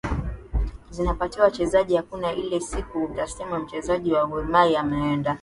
zinapatiwa wachezaji hakuna ile siku itasema mchezaji wa gormahia ameenda